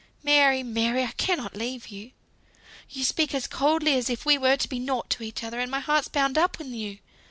"Mary! Mary! I cannot leave you. You speak as coldly as if we were to be nought to each other. And my heart's bound up in you.